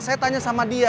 saya tanya sama dia